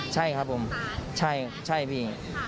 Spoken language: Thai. ใช่ครับผมใช่พี่